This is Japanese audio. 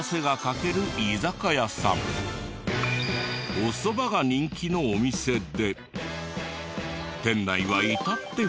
おそばが人気のお店で。